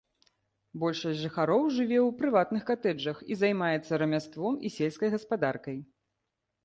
Большасць жыхароў жыве ў прыватных катэджах і займаецца рамяством і сельскай гаспадаркай.